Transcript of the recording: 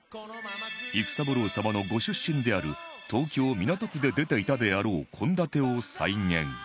育三郎様のご出身である東京港区で出ていたであろう献立を再現